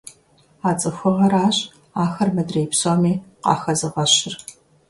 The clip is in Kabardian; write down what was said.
А цӀыхугъэращ ахэр мыдрей псоми къахэзыгъэщыр.